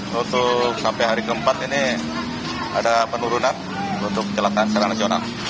untuk sampai hari keempat ini ada penurunan untuk kecelakaan secara nasional